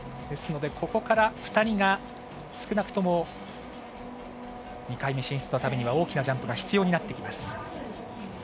ですので、ここから２人が少なくとも２回目進出のためには大きなジャンプが必要になってきます。